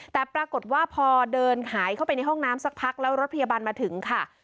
แต่ปรากฏว่าพอเดินหายเข้าไปในห้องน้ำสักพักแล้วรถพยาบาลมาถึงค่ะ